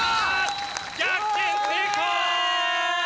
逆転成功！